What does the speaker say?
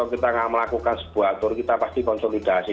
kalau kita tidak melakukan sebuah atur kita pasti konsolidasi